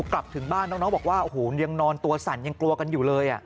กลับถึงบ้านน้องบอกว่าโอ้โหยังนอนตัวสั่นยังกลัวกันอยู่เลย